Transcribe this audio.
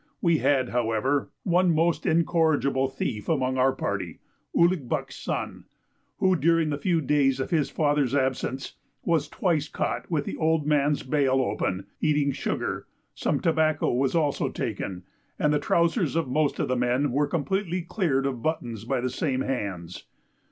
We had, however, one most incorrigible thief among our party, Ouligbuck's son, who, during the few days of his fathers absence, was twice caught with the old man's bale open, eating sugar; some tobacco was also taken, and the trousers of most of the men were completely cleared of buttons by the same hands.